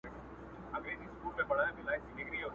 زما په مینه زوی له پلار څخه بیلیږي!.